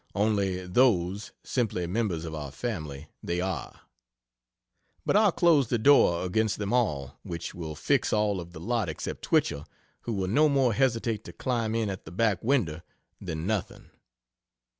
Only those simply members of our family, they are. But I'll close the door against them all which will "fix" all of the lot except Twichell, who will no more hesitate to climb in at the back window than nothing.